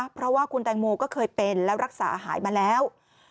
เพราะว่าคุณแตงโมก็เคยเป็นแล้วรักษาหายมาแล้ว